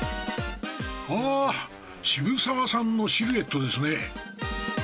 あ、渋沢さんのシルエットですね。